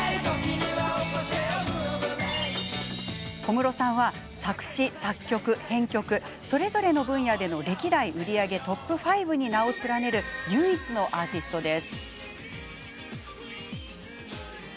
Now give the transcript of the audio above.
小室さんは作詞、作曲編曲それぞれの分野での歴代売り上げトップ５に名を連ねる唯一のアーティストです。